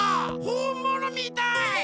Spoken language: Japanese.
ほんものみたい！